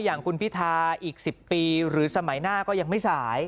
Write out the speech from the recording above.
อย่างคุณพิธาอีก๑๐ปีหรือสมัยหน้าก็ยังไม่สาย